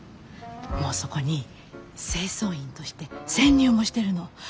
もうそこに清掃員として潜入もしてるの。